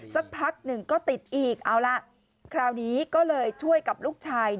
สักพักหนึ่งก็ติดอีกเอาล่ะคราวนี้ก็เลยช่วยกับลูกชาย